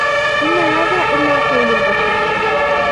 إِنْ هَذَا إِلَّا قَوْلُ الْبَشَرِ